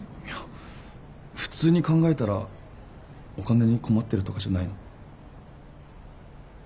いや普通に考えたらお金に困ってるとかじゃないの？